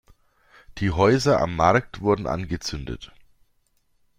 Die Häuser am Markt wurden angezündet.